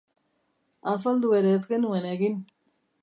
Afaldu ere ez genuen egin.